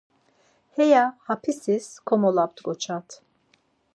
Heya xapisis komolop̌t̆ǩoçat.